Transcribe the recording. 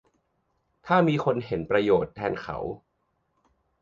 ถ้ามีคนเห็นประโยชน์แทนเขา